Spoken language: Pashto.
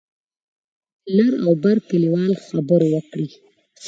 د لر او بر کلیوال خبرو وکړې.